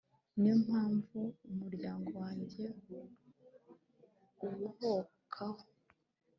ni yo mpamvu umuryango wanjye ubohokaho